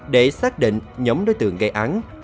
để xác định nhóm đối tượng gây án